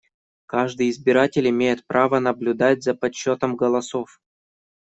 Каждый избиратель имеет право наблюдать за подсчётом голосов.